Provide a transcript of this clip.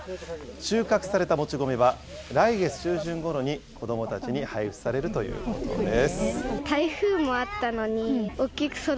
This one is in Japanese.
収穫されたもち米は、来月中旬ごろに子どもたちに配布されるということです。